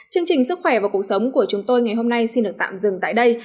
chương trình sức khỏe và cuộc sống của chúng tôi ngày hôm nay xin được tạm dừng tại đây